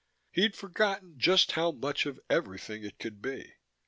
He'd forgotten just how much of everything it could be.